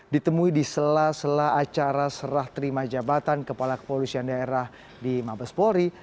ditemui di sela sela acara serah terima jabatan kepala kepolisian daerah di mabes polri